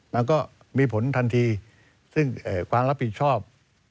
มันก็มีผลทันทีซึ่งความรับผิดชอบ